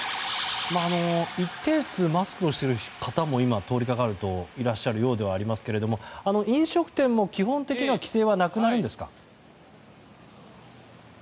一定数マスクをしている方も通りかかるといらっしゃるようではありますけど飲食店も基本的な規制はなくなるんですか？